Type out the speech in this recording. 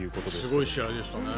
すごい試合でしたね。